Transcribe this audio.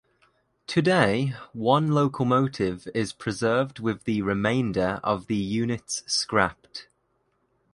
Today one locomotive is preserved with the remainder of the units scrapped.